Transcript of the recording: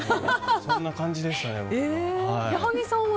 そんな感じでした、僕は。